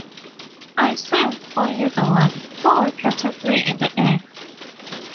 I serve only the One, who will protect me in the end.